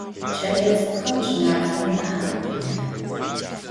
Ç'elets'ık'uxem ç'ımafer nah agu rêhı.